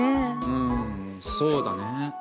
うんそうだね。